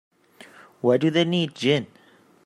Why do they need gin?